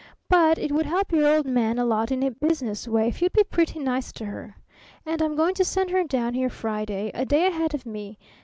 But it would help your old man a lot in a business way if you'd be pretty nice to her. And I'm going to send her down here Friday, a day ahead of me.'